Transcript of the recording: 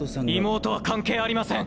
妹は関係ありません！